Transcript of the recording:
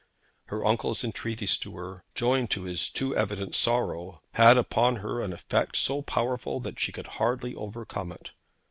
Her uncle's entreaties to her, joined to his too evident sorrow, had upon her an effect so powerful, that she could hardly overcome it.